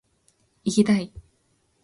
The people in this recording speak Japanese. いぎだい！！！！